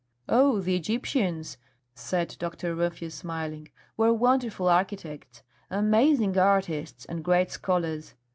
"Oh, the Egyptians," said Dr. Rumphius, smiling, "were wonderful architects, amazing artists, and great scholars.